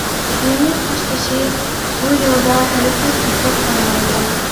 «يېڭى قاشتېشى» بۇ يولدا ھەرگىز توختاپ قالمايدۇ.